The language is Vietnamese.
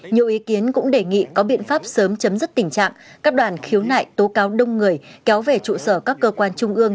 nhiều ý kiến cũng đề nghị có biện pháp sớm chấm dứt tình trạng các đoàn khiếu nại tố cáo đông người kéo về trụ sở các cơ quan trung ương